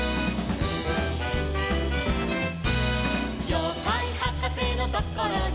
「ようかいはかせのところに」